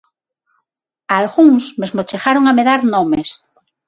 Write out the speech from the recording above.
Algúns mesmo chegaron a me dar nomes.